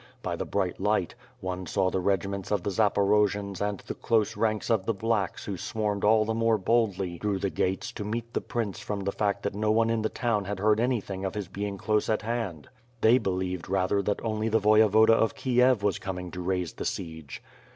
By the bright light, one saw the regiments of the Zaporojians and the close ranks of the "blacks" who swarmed all the more boldly through the gates to meet the prince from the fact that no one in the town had heard anything of his being close at hand. They be lieved, rather, that only the Voyevoda of Kiev was coming to raise the siege.